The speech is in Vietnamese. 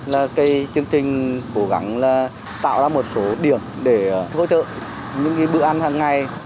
là cái chương trình cố gắng là tạo ra một số điểm để hỗ trợ những bữa ăn hàng ngày